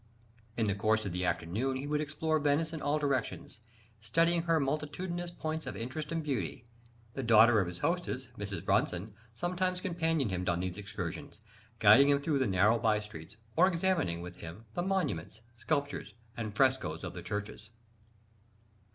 In the course of the afternoon, he would explore Venice in all directions, studying her multitudinous points of interest and beauty. The daughter of his hostess, Mrs. Bronson, sometimes companioned him on these excursions, guiding him through the narrow by streets, or examining, with him, the monuments, sculptures and frescoes of the churches.